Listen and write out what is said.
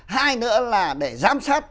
hai nữa là để giám sát